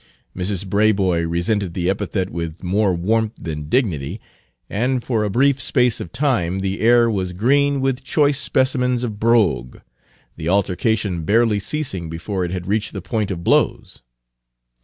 Mrs. Braboy resented the epithet with more warmth than dignity, and for a brief space of time the air was green with choice specimens of brogue, the altercation barely ceasing before it had reached the point of blows.